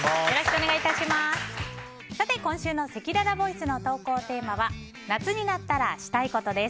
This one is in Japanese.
今週のせきららボイスの投稿テーマは夏になったらしたいことです。